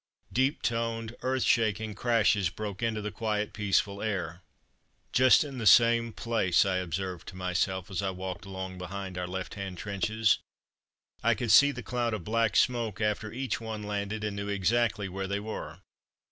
Deep toned, earth shaking crashes broke into the quiet peaceful air. "Just in the same place," I observed to myself as I walked along behind our left hand trenches. I could see the cloud of black smoke after each one landed, and knew exactly where they were.